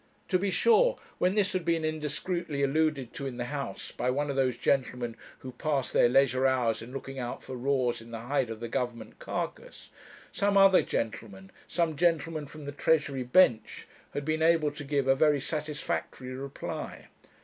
To be sure, when this had been indiscreetly alluded to in the House by one of those gentlemen who pass their leisure hours in looking out for raws in the hide of the Government carcass, some other gentleman, some gentleman from the Treasury bench, had been able to give a very satisfactory reply.